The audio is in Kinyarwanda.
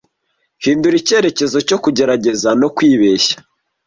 hindura icyerekezo cyo kugerageza no kwibeshya